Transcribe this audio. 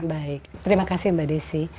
baik terima kasih mbak desi